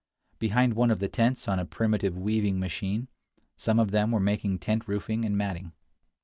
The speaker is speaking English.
Behind one of the tents, on a primitive weaving machine, some of them were making tent roofing and matting.